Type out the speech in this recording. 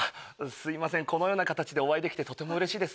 このような形でお会いできてとてもうれしいです。